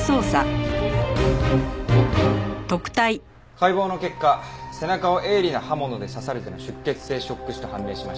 解剖の結果背中を鋭利な刃物で刺されての出血性ショック死と判明しました。